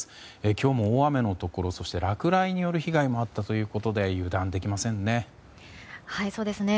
今日も大雨のところそして落雷による被害もあったということで油断できませんね。